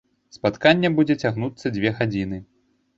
Спатканне будзе цягнуцца дзве гадзіны.